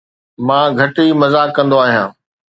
مان گهٽ ئي مذاق ڪندو آهيان